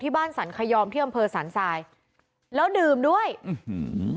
บ้านสรรคยอมที่อำเภอสันทรายแล้วดื่มด้วยอื้อหือ